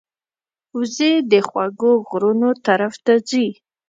وزې د خوږو غږونو طرف ته ځي